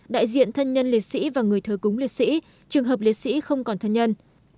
đại diện thân nhân liệt sĩ và người thờ cúng liệt sĩ trường hợp liệt sĩ không còn thân nhân